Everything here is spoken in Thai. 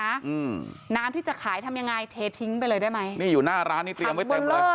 อืมน้ำที่จะขายทำยังไงเททิ้งไปเลยได้ไหมนี่อยู่หน้าร้านนี้เตรียมไว้เต็มเลย